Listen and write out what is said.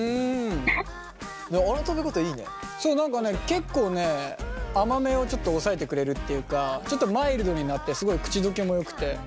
結構ね甘めをちょっと抑えてくれるっていうかちょっとマイルドになってすごい口溶けもよくて。